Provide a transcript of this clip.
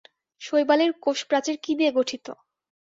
শৈবালের কোষপ্রাচীর কী দিয়ে গঠিত?